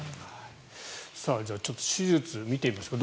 じゃあちょっと手術、見てみますか。